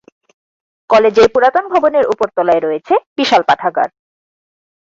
কলেজের পুরাতন ভবনের উপরতলয়ায় রয়েছে বিশাল পাঠাগার।